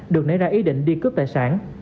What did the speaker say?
được nấy ra ý định đi cướp tài sản